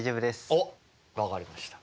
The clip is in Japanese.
おっ分かりました。